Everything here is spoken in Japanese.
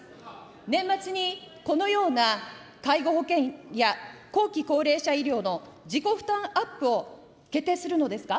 年末にこのような介護保険や後期高齢者医療の自己負担アップを決定するのですか。